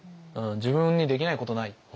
自分にできないことない。